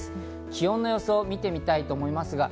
気温の予想を見てみたいと思います。